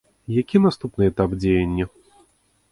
Які наступны этап дзеяння?